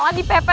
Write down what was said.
gak ada apa apa